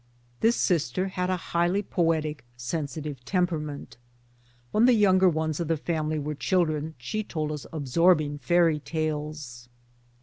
This sister had a highly poetic, sensitive temperament. When the younger ones of the family were children she told us absorbing fairy tales.